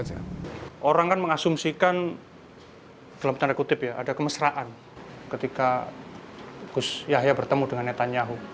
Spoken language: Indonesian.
kusyahi memang mengasumsikan dalam tanda kutip ada kemesraan ketika kusyahi bertemu dengan netanyahu